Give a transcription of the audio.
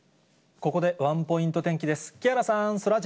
ここでワンポイント天気です。